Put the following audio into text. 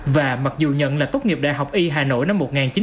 và mặc dù nhận là tốt nghiệp đại học y hà nội năm một nghìn chín trăm bảy mươi